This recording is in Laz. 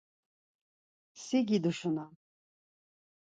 Si giduşunam.